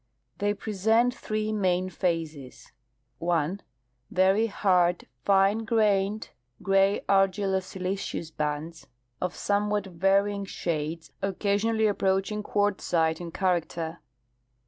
They present three main phases : 1 . Very hard, fine grained, gray argillo siliceous bands, of some Avhat varying shades, occasionally approaching quartzite in character.